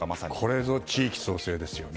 これぞ地域創生ですよね。